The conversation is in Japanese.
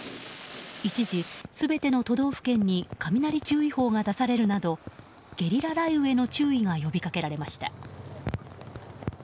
一時、全ての都道府県に雷注意報が出されるなどゲリラ雷雨への注意が呼び掛けられました。